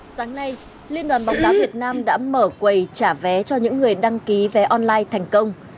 sáng nay liên đoàn bóng đá việt nam đã mở quầy trả vé cho những người đăng ký vé online thành công